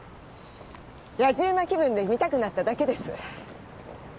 やじ馬気分で見たくなっただけです。